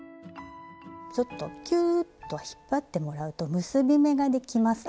ちょっとキューッと引っ張ってもらうと結び目ができます。